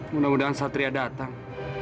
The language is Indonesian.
mudah mudahan satria datang